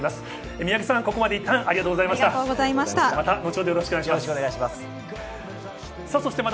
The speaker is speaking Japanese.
三宅さん、ここまで、ありがとうございました。